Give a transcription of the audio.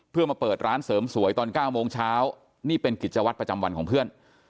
เพื่อมาเปิดร้านเสริมสวยตอน๙โมงเช้านี่เป็นกิจวัตรประจำวันของเพื่อน